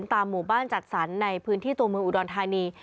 ตามหมู่บ้านจัดสรรในพื้นที่ตัวเมืองอุดรธานี